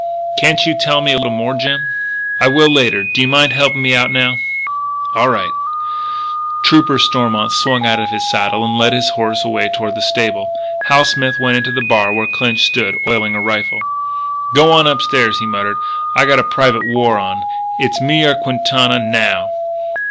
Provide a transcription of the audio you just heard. "Can't you tell me a little more, Jim?" "I will, later. Do you mind helping me out now?" "All right." Trooper Stormont swung out of his saddle and led his horse away toward the stable. Hal Smith went into the bar where Clinch stood, oiling a rifle. "G'wan upstairs," he muttered. "I got a private war on. It's me or Quintana, now."